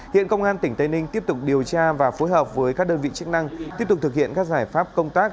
hiện công an tỉnh tây ninh tiếp tục điều tra và phối hợp với các đơn vị chức năng tiếp tục thực hiện các giải pháp công tác